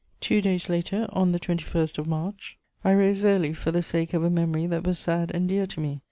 Two days later, on the 21st of March, I rose early, for the sake of a memory that was sad and dear to me.